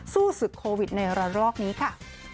สู้ศึกโควิดในระลอกนี้ค่ะ